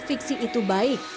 fiksi itu baik